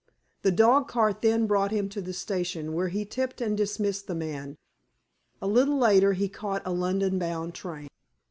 The dog cart then brought him to the station, where he tipped and dismissed the man; a little later, he caught a London bound train.